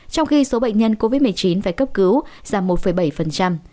trong khi số bệnh nhân covid một mươi chín phải cấp cứu giảm một bảy